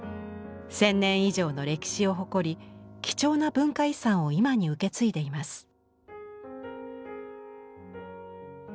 １，０００年以上の歴史を誇り貴重な文化遺産を今に受け継いでいます。